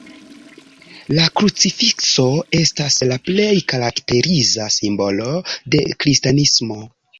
La krucifikso estas la plej karakteriza simbolo de kristanismo.